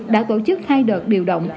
đã tổ chức hai đợt điều động